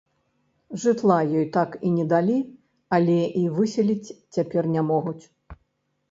Жытла ёй так і не далі, але і выселіць цяпер не могуць.